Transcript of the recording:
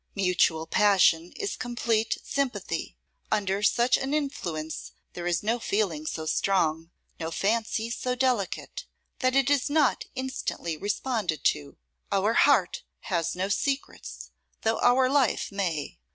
Mutual passion is complete sympathy. Under such an influence there is no feeling so strong, no fancy so delicate, that it is not instantly responded to. Our heart has no secrets, though our life may.